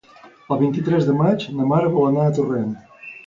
El vint-i-tres de maig na Mar vol anar a Torrent.